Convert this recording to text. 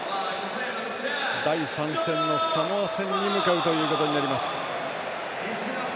第３戦のサモア戦に向かうということになります。